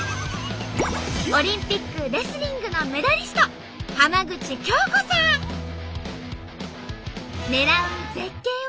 オリンピックレスリングのメダリスト狙う絶景は。